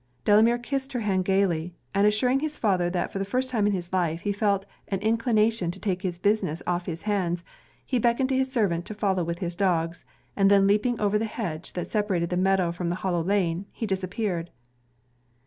Delamere kissed her hand gayly, and assuring his father that for the first time in his life he felt an inclination to take his business off his hands, he beckoned to his servant to follow with his dogs, and then leaping over the hedge that separated the meadow from the hollow lane, he disappeared.